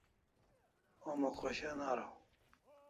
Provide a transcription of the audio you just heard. Homa khoshan araw